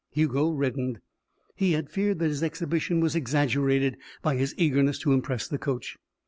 Hugo reddened. He had feared that his exhibition was exaggerated by his eagerness to impress the coach.